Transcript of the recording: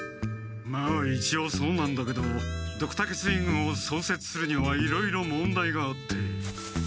まあいちおうそうなんだけどドクタケ水軍をそうせつするにはいろいろ問題があって。